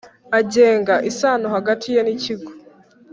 Agenga isano hagati ye n ikigo